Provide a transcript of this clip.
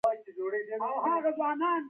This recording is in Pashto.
د شالیو پټي ښکلې منظره لري.